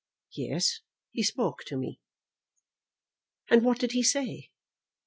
"Yes; he spoke to me." "And what did he say?"